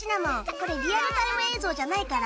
これリアルタイム映像じゃないから。